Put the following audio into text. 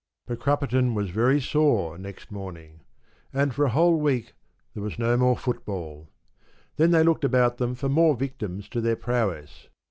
p> But Crupperton was very sore next morning; and for a whole week there was no more football. Then they looked about them for more victims to their prowess.